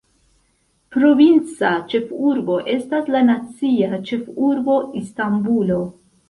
Provinca ĉefurbo estas la nacia ĉefurbo Istanbulo.